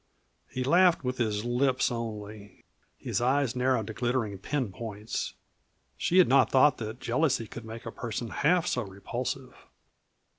He laughed with his lips only, his eyes narrowed to glittering pin points. She had not thought that jealousy could make a person half so repulsive.